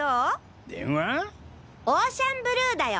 オーシャンブルーだよ。